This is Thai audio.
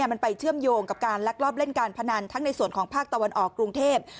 มันไปเชื่อมโยงกับการลักลอบเล่นการพนันทั้งในส่วนของภาคตะวันออกกรุงเทพ